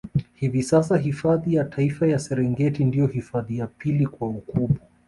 Hivi sasa hifadhi ya Taifa ya Serengeti ndio hifadhi ya pili kwa ukubwa